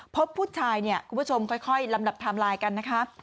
พบผู้ชายเนี่ยคุณผู้ชมค่อยลำดับไทม์ไลน์กันนะคะ